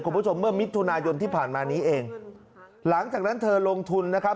คุณผู้ชมเมื่อมิถุนายนที่ผ่านมานี้เองหลังจากนั้นเธอลงทุนนะครับ